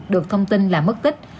được thông tin là mất tích